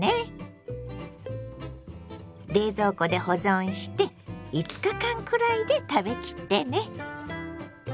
冷蔵庫で保存して５日間くらいで食べ切ってね。